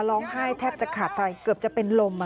ร้องไห้แทบจะขาดใจเกือบจะเป็นลม